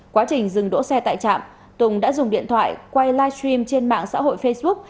quá trình dừng đỗ xe tại trạm tùng đã dùng điện thoại quay livestream trên mạng xã hội facebook